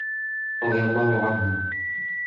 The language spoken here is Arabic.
رضِي اللهُ عَنْهُما